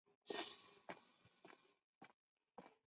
Natural del barrio donostiarra de Alza.